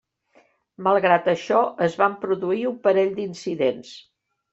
Malgrat això, es van produir un parell d'incidents.